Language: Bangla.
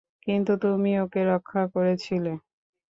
কিন্তু তুমি ওকে রক্ষা করেছিলে।